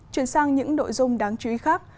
chuyển sang những nội dung đáng chú ý khác